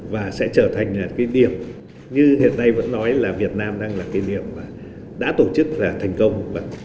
và sẽ trở thành cái điểm như hiện nay vẫn nói là việt nam đang là cái điểm mà đã tổ chức là thành công